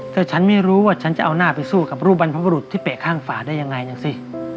ถ้าฉันไม่รู้ว่าฉันจะเอาหน้าไปสู้กับรูปบรรพบรุษที่เปะข้างฝาได้ยังไงนะสิ